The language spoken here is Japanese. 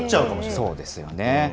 そうですよね。